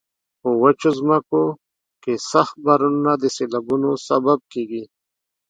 په وچو ځمکو کې سخت بارانونه د سیلابونو سبب کیږي.